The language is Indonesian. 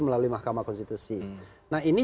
melalui mahkamah konstitusi nah ini